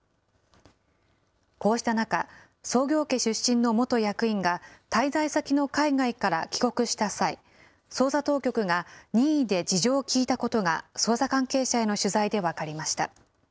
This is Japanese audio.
こうした中、創業家出身の元役員が滞在先の海外から帰国した際、捜査当局が任意で事情を聴いたことが、捜査関係者への取材で分かりました。